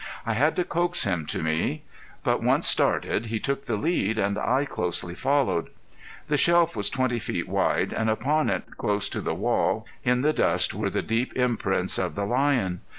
I had to coax him to me. But once started he took the lead and I closely followed. The shelf was twenty feet wide and upon it close to the wall, in the dust, were the deep imprints of the lion.